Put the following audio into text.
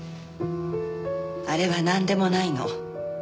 あれはなんでもないの。